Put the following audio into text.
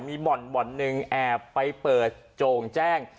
มีบ่อนหนึ่งแอบไปเปิดโจ่งแจ้ง